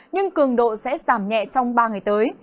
nhưng cường độ sẽ giảm nhẹ trong ba ngày tới